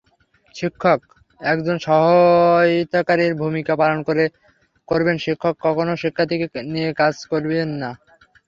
শিক্ষক একজন সহায়তাকারীর ভূমিকা পালন করবেনশিক্ষক কখনো শিক্ষার্থীকে নিজে কাজ করিয়ে দেবেন না।